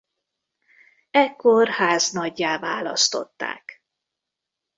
Ekkor háznaggyá választották.